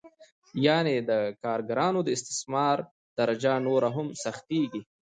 یانې د کارګرانو د استثمار درجه نوره هم سختېږي